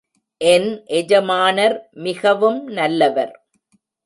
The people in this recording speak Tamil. என் எஜமானர் மிகவும் நல்லவர்.